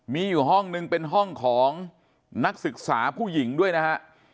มีอยู่ห้องนึงเป็นห้องของนักศึกษาผู้หญิงด้วยนะฮะ